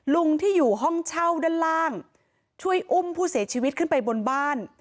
ลุงที่อยู่ห้องเช่าด้านล่างช่วยอุ้มผู้เสียชีวิตขึ้นไปบนบ้าน